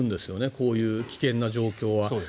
こういう危険な状況は。